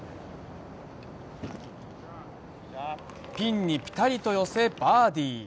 ピンにぴたりと寄せバーディー。